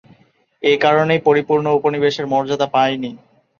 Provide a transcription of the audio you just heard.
এ কারণেই পরিপূর্ণ উপনিবেশের মর্যাদা পায়নি।